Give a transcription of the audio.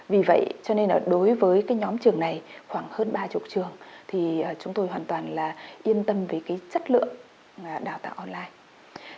vì vậy cho nên là đối với cái nhóm trường này khoảng hơn ba mươi trường thì chúng tôi hoàn toàn là yên tâm về cái chất lượng đào tạo online